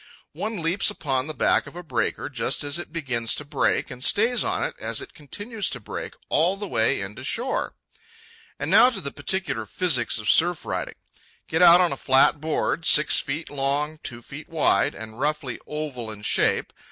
One leaps upon the back of a breaker just as it begins to break, and stays on it as it continues to break all the way in to shore. And now to the particular physics of surf riding. Get out on a flat board, six feet long, two feet wide, and roughly oval in shape.